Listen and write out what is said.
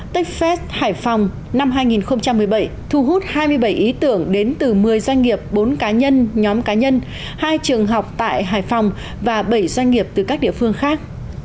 techfest hải phòng năm hai nghìn một mươi bảy thu hút hai mươi bảy ý tưởng đến từ một mươi doanh nghiệp bốn cá nhân nhóm cá nhân hai trường học tại hải phòng và bảy doanh nghiệp từ các địa phương khác